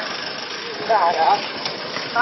ไม่ได้นะฮะ